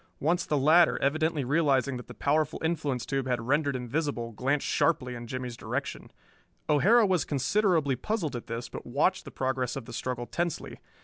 Once the latter, evidently realizing that the powerful influence tube had rendered him visible, glanced sharply in Jimmie's direction. O'Hara was considerably puzzled at this, but watched the progress of the struggle tensely.